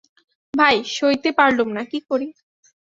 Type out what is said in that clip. ভাই, সইতে পারলুম না, কী করি!